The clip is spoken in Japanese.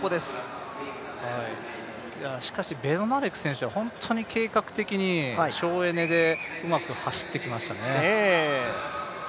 しかしベドナレク選手は本当に計画的に省エネでうまく走ってきましたね。